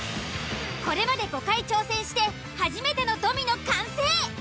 これまで５回挑戦して初めてのドミノ完成。